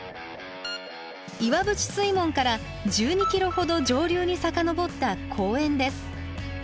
岩淵水門から１２キロほど上流に遡った公園です。